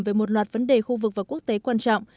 về một loạt vấn đề khu vực và quốc tế quan trọng